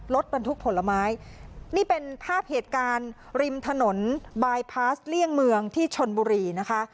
รถบรรทุกผลไม้นี่เป็นภาพเหตุการณ์ริมถนนบายพาสเลี่ยงเมืองที่ชนบุรีนะคะ